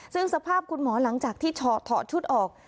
ซึ่งสภาพคุณหมอหลังจากที่เฉาะเทาะชุดออก